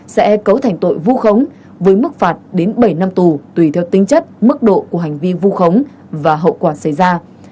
sẽ cấu thành tội vu khống với mức phạt đến bảy năm tù tùy theo tính chất mức độ của hành vi vu khống và hậu quả xảy ra